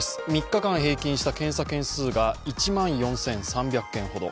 ３日間平均した検査件数が１万４３００件ほど。